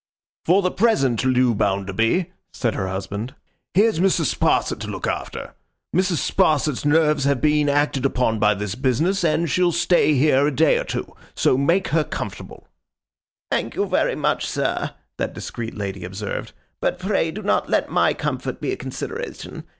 'For the present, Loo Bounderby,' said her husband, 'here's Mrs. Sparsit to look after. Mrs. Sparsit's nerves have been acted upon by this business, and she'll stay here a day or two. So make her comfortable.' 'Thank you very much, sir,' that discreet lady observed, 'but pray do not let My comfort be a consideration.